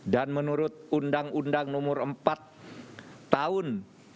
dan menurut undang undang nomor empat tahun seribu sembilan ratus delapan puluh empat